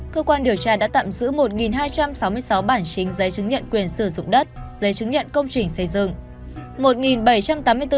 cơ quan điều tra đã tạm giữ một hai trăm sáu mươi sáu bản chính giấy chứng nhận quyền sử dụng đất giấy chứng nhận công trình xây dựng